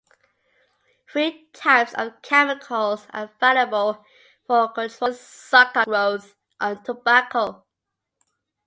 Three types of chemicals are available for controlling sucker growth on tobacco.